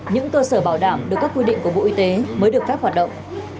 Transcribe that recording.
những cơ sở bảo đảm được các quy định của bộ y tế mới được phép hoạt động